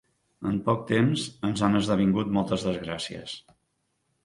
En poc temps ens han esdevingut moltes desgràcies.